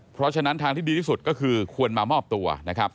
เพราะฉะนั้นทางที่ดีที่สุดก็คือควรมามอบตัวนะครับ